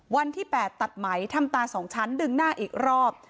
วันที่๘ตัดไหมทำตา๒ชั้นดึงหน้าอีกรอบ